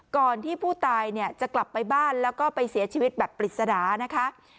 ก่อนที่ผู้ตายเนี่ยจะกลับไปบ้านแล้วก็ไปเสียชีวิตแบบปริศนานะคะ